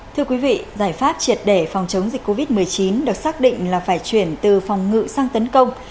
thưa quý vị giải pháp triệt để phòng chống dịch covid một mươi chín được xác định là phải chuyển từ phòng ngự sang tấn công